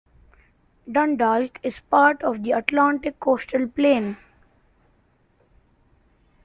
Dundalk is part of the Atlantic Coastal Plain.